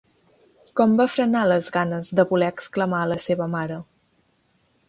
Com va frenar les ganes de voler exclamar a la seva mare?